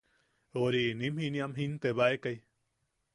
Ori, nim jiniam jintebaekai.